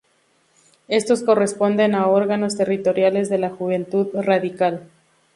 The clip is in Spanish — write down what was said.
Estos corresponden a órganos territoriales de la Juventud Radical.